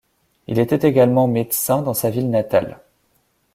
Il était également médecin dans sa ville natale.